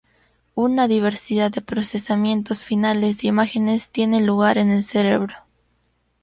Una diversidad de procesamientos finales de imágenes tiene lugar en el cerebro.